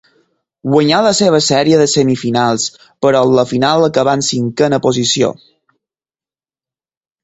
Guanyà la seva sèrie de semifinals, però en la final acabà en cinquena posició.